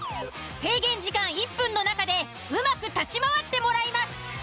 制限時間１分の中でうまく立ち回ってもらいます。